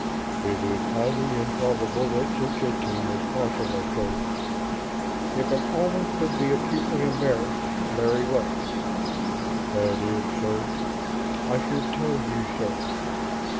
"It is highly improbable that such a team is possible, sir." If an Oman could be acutely embarrassed, Larry was. "That is, sir ... I should tell you, sir